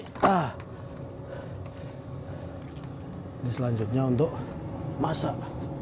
ini selanjutnya untuk masak